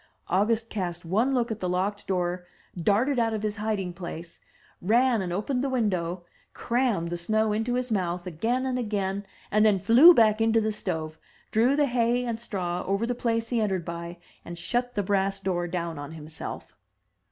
August cast one look at the locked door, darted out of his hiding place, ran and opened the window,, crammed the snow into his mouth again and again, and then flew back into the stove, drew the hay and straw over the place he entered by, and shut the brass door down on himself.